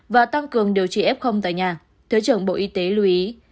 và tăng cường điều trị f tại nhà thứ trưởng bộ y tế lưu ý